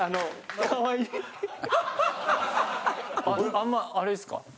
あんまあれですか？